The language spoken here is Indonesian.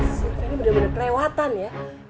siti ini bener bener kelewatan ya